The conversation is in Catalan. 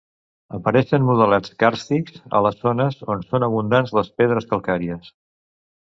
Apareixen modelats càrstics a les zones on són abundants les pedres calcàries.